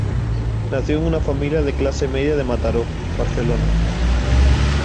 Nació en una familia de clase media de Mataró, Barcelona.